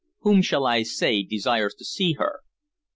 "Whom shall I say desires to see her?"